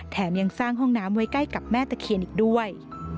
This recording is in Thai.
ยังสร้างห้องน้ำไว้ใกล้กับแม่ตะเคียนอีกด้วย